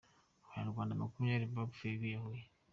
Abanyarwanda makumyabiri bapfuye biyahuye